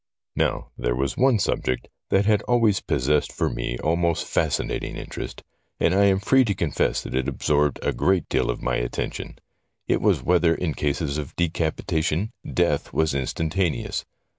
Now, there was one subject that had always possessed for me almost fascinating interest, and I am free to confess that it absorbed a very great deal of my attention. It was whether in cases of decapitation death was instantaneous.